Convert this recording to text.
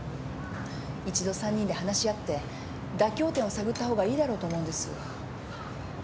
一度三人で話し合って妥協点を探ったほうがいいだろうと思うんです。